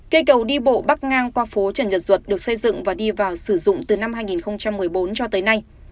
cây cầu đi bộ bắc ngang qua phố trần nhật duật được xây dựng và đi vào sử dụng từ năm hai nghìn một mươi bốn cho tới nay